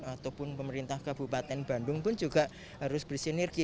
ataupun pemerintah kabupaten bandung pun juga harus bersinergi